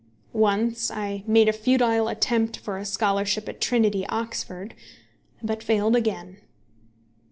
Once I made a futile attempt for a scholarship at Trinity, Oxford, but failed again.